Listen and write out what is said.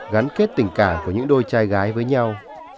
gắn kết tình cảm của những đôi trai gái với nhau